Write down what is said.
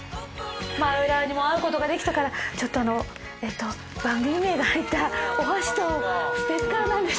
マヨラーにも会うことができたからちょっと番組名が入ったお箸とステッカーなんです。